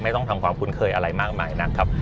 ต้องทำความคุ้นเคยอะไรมากมายนักครับ